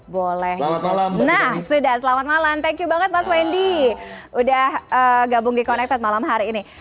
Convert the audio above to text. boleh nah sudah selamat malam thank you banget mas wendy udah gabung di connected malam hari ini